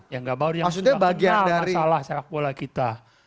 yang gak baru yang sudah banyak masalah sepak bola kita